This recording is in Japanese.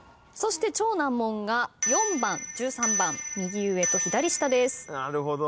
そして超難問が４番１３番右上と左下です。